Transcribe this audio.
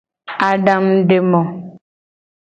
Adangudemo.